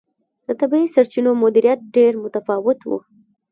د طبیعي سرچینو مدیریت ډېر متفاوت و.